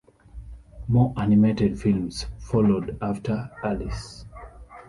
More animated films followed after Alice.